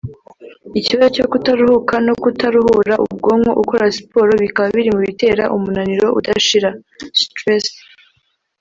Ikibazo cyo kutaruhuka no kutaruhura ubwonko ukora siporo bikaba biri mu bitera umunaniro udashira (Stress)